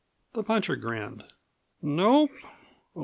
The puncher grinned. "Nope.